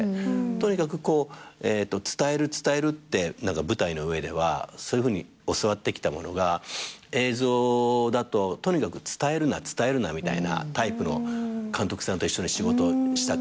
とにかくこう伝える伝えるって舞台の上ではそういうふうに教わってきたものが映像だととにかく伝えるな伝えるなみたいなタイプの監督さんと一緒に仕事したから余計。